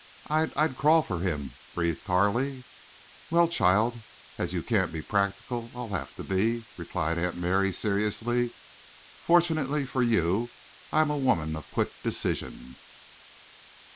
"I'd—I'd crawl for him," breathed Carley. "Well, child, as you can't be practical, I'll have to be," replied Aunt Mary, seriously. "Fortunately for you I am a woman of quick decision.